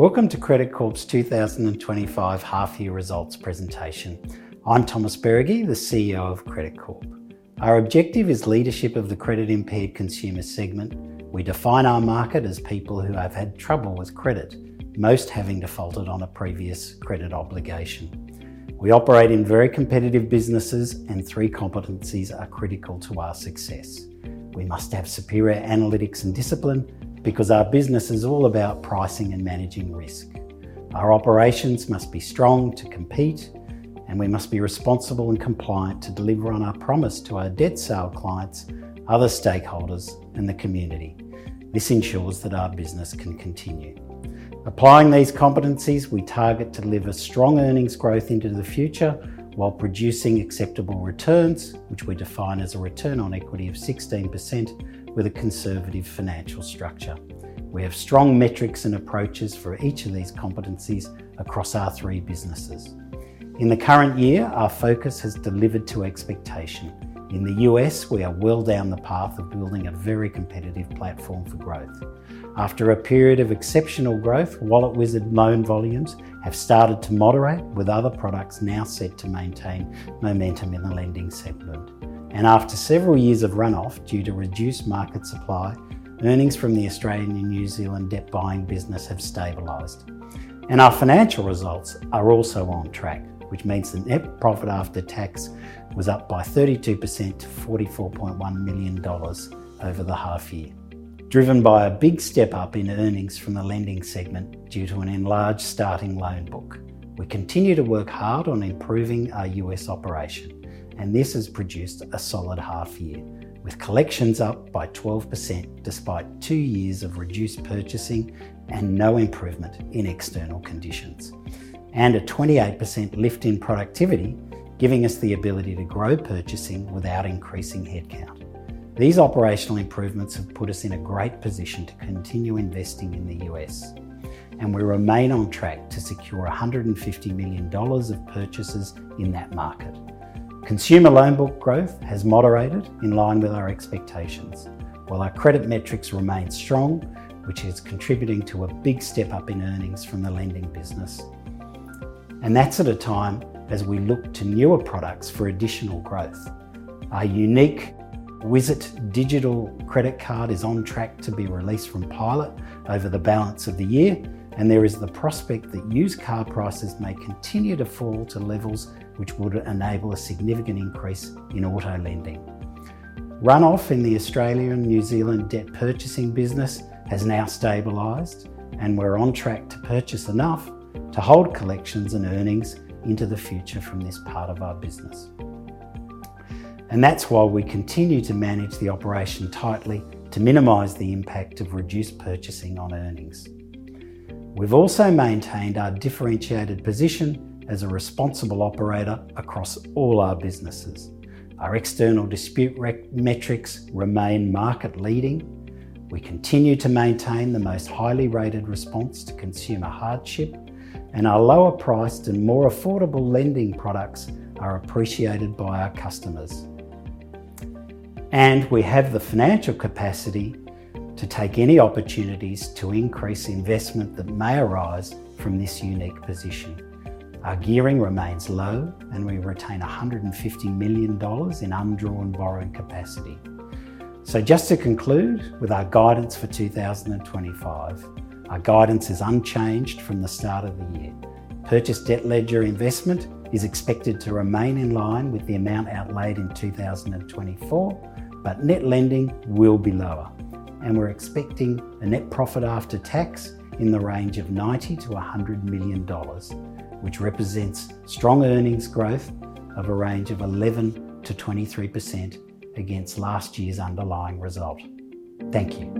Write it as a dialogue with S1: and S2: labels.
S1: Welcome to Credit Corp's 2025 Half-Year Results Presentation. I'm Thomas Beregi, the CEO of Credit Corp. Our objective is leadership of the credit-impaired consumer segment. We define our market as people who have had trouble with credit, most having defaulted on a previous credit obligation. We operate in very competitive businesses, and three competencies are critical to our success. We must have superior analytics and discipline because our business is all about pricing and managing risk. Our operations must be strong to compete, and we must be responsible and compliant to deliver on our promise to our debt sale clients, other stakeholders, and the community. This ensures that our business can continue. Applying these competencies, we target to deliver strong earnings growth into the future while producing acceptable returns, which we define as a return on equity of 16% with a conservative financial structure. We have strong metrics and approaches for each of these competencies across our three businesses. In the current year, our focus has delivered to expectation. In the U.S., we are well down the path of building a very competitive platform for growth. After a period of exceptional growth, Wallet Wizard loan volumes have started to moderate, with other products now set to maintain momentum in the lending segment. And after several years of runoff due to reduced market supply, earnings from the Australian and New Zealand debt buying business have stabilized. And our financial results are also on track, which means the net profit after tax was up by 32% to $44.1 million over the half year, driven by a big step up in earnings from the lending segment due to an enlarged starting loan book. We continue to work hard on improving our U.S. operation, and this has produced a solid half year, with collections up by 12% despite two years of reduced purchasing and no improvement in external conditions, and a 28% lift in productivity, giving us the ability to grow purchasing without increasing headcount. These operational improvements have put us in a great position to continue investing in the U.S., and we remain on track to secure $150 million of purchases in that market. Consumer loan book growth has moderated in line with our expectations, while our credit metrics remain strong, which is contributing to a big step up in earnings from the lending business. And that's at a time as we look to newer products for additional growth. Our unique Wizard digital credit card is on track to be released from pilot over the balance of the year, and there is the prospect that used car prices may continue to fall to levels which would enable a significant increase in auto lending. Runoff in the Australia and New Zealand debt purchasing business has now stabilized, and we're on track to purchase enough to hold collections and earnings into the future from this part of our business, and that's why we continue to manage the operation tightly to minimize the impact of reduced purchasing on earnings. We've also maintained our differentiated position as a responsible operator across all our businesses. Our external dispute metrics remain market-leading. We continue to maintain the most highly rated response to consumer hardship, and our lower-priced and more affordable lending products are appreciated by our customers. We have the financial capacity to take any opportunities to increase investment that may arise from this unique position. Our gearing remains low, and we retain $150 million in undrawn borrowing capacity. Just to conclude with our guidance for 2025, our guidance is unchanged from the start of the year. Purchase debt ledger investment is expected to remain in line with the amount outlaid in 2024, but net lending will be lower, and we're expecting a net profit after tax in the range of $90 million-$100 million, which represents strong earnings growth of 11%-23% against last year's underlying result. Thank you.